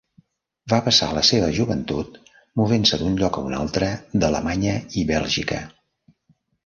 Va passar la seva joventut movent-se d'un lloc a un altre d'Alemanya i Bèlgica.